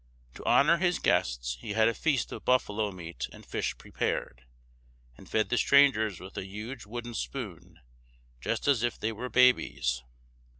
To honor his guests, he had a feast of buffalo meat and fish prepared, and fed the strangers with a huge wooden spoon, just as if they were babies.